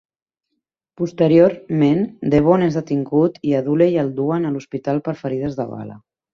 Posteriorment Devon és Detingut i a Dooley el duen a l'hospital per ferides de bala.